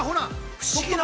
不思議な。